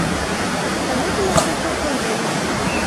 تنور د ماشومتوب بوی لري